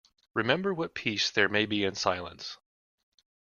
Remember what peace there may be in silence.